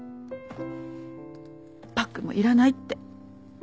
バッグもいらないって。